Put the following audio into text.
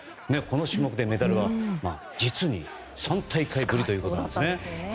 この種目でメダルは実に３大会ぶりということなんです。